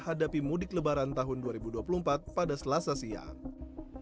hadapi mudik lebaran tahun dua ribu dua puluh empat pada selasa siang